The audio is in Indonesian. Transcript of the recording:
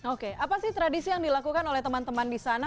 oke apa sih tradisi yang dilakukan oleh teman teman di sana